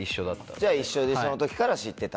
じゃあその時から知ってた。